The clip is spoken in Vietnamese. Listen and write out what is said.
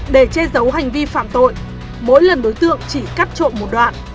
để chê giấu hành vi phạm tội mỗi lần đối tượng chỉ cắt trộn một đoạn